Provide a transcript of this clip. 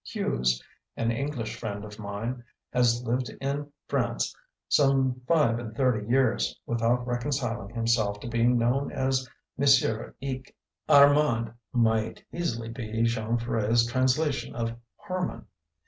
Hughes, an English friend of mine, has lived in France some five and thirty years without reconciling himself to being known as "Monsieur Ig." "Armand" might easily be Jean Ferret's translation of "Harman."